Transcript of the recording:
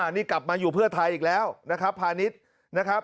นี่กลับมาอยู่เพื่อไทยอีกแล้วนะครับพาณิชย์นะครับ